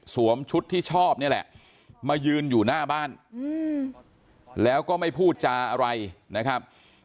ชุดที่ชอบนี่แหละมายืนอยู่หน้าบ้านแล้วก็ไม่พูดจาอะไรนะครับ